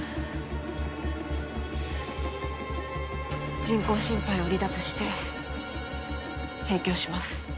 人工心肺を離脱して閉胸します